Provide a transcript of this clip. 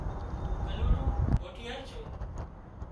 ڳلُوڙون موٽيار ڇُون